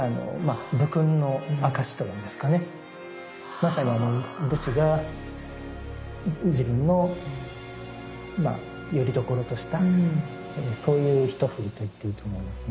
まさに武士が自分のよりどころとしたそういうひとふりと言っていいと思いますね。